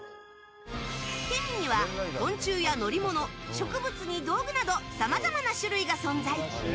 ケミーには昆虫や乗り物植物に道具などさまざまな種類が存在。